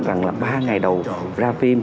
rằng là ba ngày đầu ra phim